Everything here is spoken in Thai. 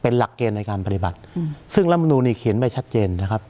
จากเกณฑ์ในการปฏิบัติซึ่งลำนูนี่เขียนไปชัดเจนนะครับ